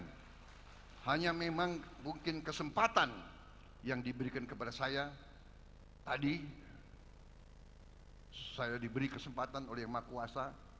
dan hanya memang mungkin kesempatan yang diberikan kepada saya tadi saya diberi kesempatan oleh emak kuasa